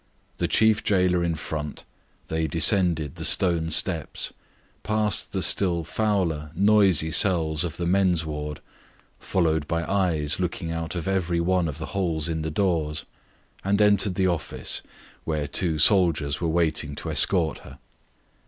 The warder in front, they descended the stone stairs, past the still fouler, noisy cells of the men's ward, where they were followed by eyes looking out of every one of the gratings in the doors, and entered the office, where two soldiers were waiting to escort her.